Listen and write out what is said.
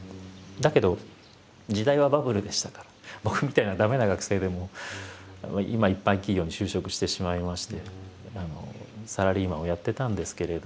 だけど時代はバブルでしたから僕みたいな駄目な学生でも一般企業に就職してしまいましてサラリーマンをやってたんですけれど。